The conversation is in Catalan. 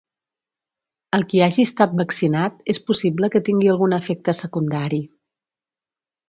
El qui hagi estat vaccinat és possible que tingui algun efecte secundari.